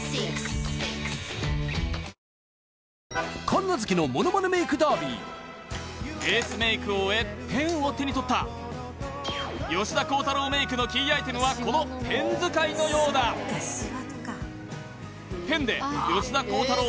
神奈月のものまねメイクダービーベースメイクを終えペンを手に取った吉田鋼太郎メイクのキーアイテムはこのペン使いのようだペンで吉田鋼太郎